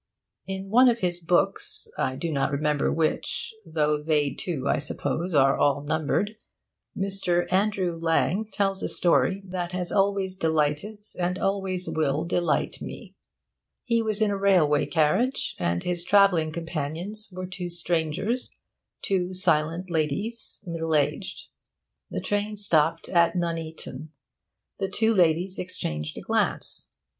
In one of his books (I do not remember which, though they, too, I suppose, are all numbered) Mr. Andrew Lang tells a story that has always delighted and always will delight me. He was in a railway carriage, and his travelling companions were two strangers, two silent ladies, middle aged. The train stopped at Nuneaton. The two ladies exchanged a glance.